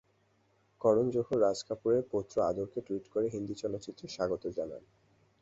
করণ জোহর রাজ কাপুরের পৌত্র আদরকে টুইট করে হিন্দি চলচ্চিত্র স্বাগত জানান।